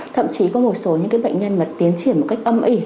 thậm chí có một số những bệnh nhân mà tiến triển một cách âm ỉ